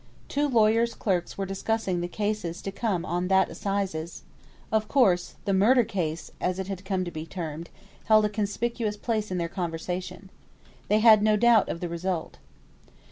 Two lawyers' clerks were discussing the cases to come on that Assizes; of course, "the murder case," as it had come to be termed, held a conspicuous place in their conversation. They had no doubt of the result.